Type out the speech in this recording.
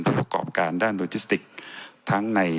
ประกอบการด้านโลจิสติกทั้งใน